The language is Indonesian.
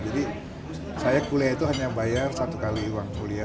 jadi saya kuliah itu hanya bayar satu kali uang kuliah